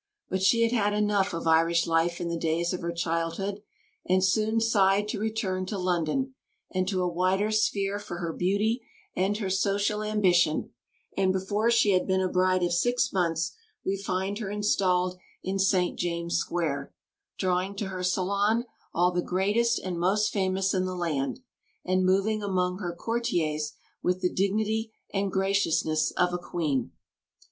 But she had had enough of Irish life in the days of her childhood, and soon sighed to return to London and to a wider sphere for her beauty and her social ambition; and before she had been a bride six months we find her installed in St James's Square, drawing to her salon all the greatest and most famous in the land, and moving among her courtiers with the dignity and graciousness of a Queen.